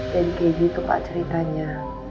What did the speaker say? dan keji itu pak ceritanya